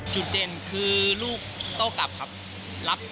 จุดเด่นคือลูกโต้กลับครับ